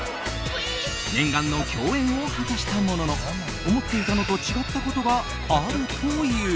念願の共演を果たしたものの思っていたのと違ったことがあるという。